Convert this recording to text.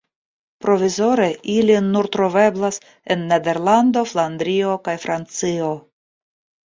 Provizore ili nur troveblas en Nederlando, Flandrio kaj Francio.